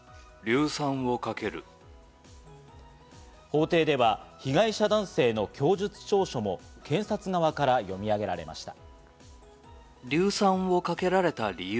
法廷では被害者男性の供述調書も検察側から読み上げられました。